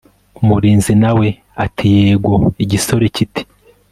umurinzi nawe ati yego igisore kiti